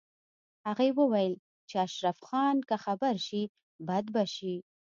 هغې وویل چې اشرف خان که خبر شي بد به شي